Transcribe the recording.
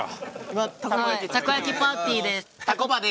今たこ焼きパーティーです。